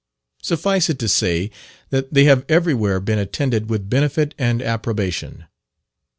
Suffice it to say that they have everywhere been attended with benefit and approbation.